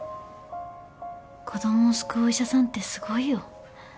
子供を救うお医者さんってすごいよ。